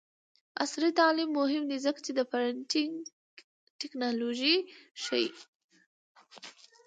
عصري تعلیم مهم دی ځکه چې د پرنټینګ ټیکنالوژي ښيي.